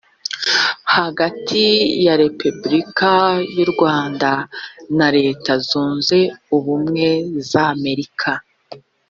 hagati ya repubulika y’u rwanda na leta zunze ubumwe z’amerika